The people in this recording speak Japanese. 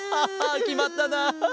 きまったなあ！